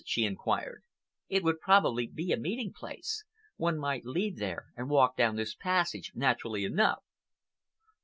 she inquired. "It would probably be a meeting place. One might leave there and walk down this passage naturally enough."